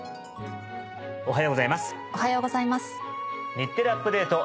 『日テレアップＤａｔｅ！』